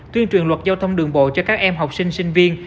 tuyên truyền luật giao thông đường bộ cho các em học sinh sinh viên